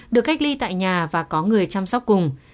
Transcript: được cách ly tại nhà và có người chăm sóc cùng